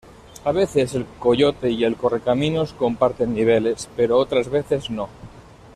A veces El Coyote y el Correcaminos comparten niveles, pero otras veces no.